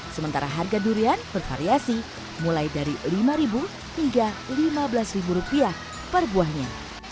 sementara harga durian bervariasi mulai dari rp lima hingga rp lima belas rupiah per buahnya